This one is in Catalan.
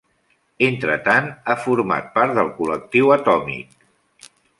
Entretant ha format part del Col·lectiu Atòmic.